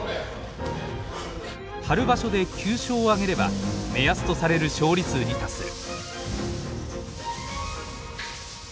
春場所で９勝を挙げれば目安とされる勝利数に達する。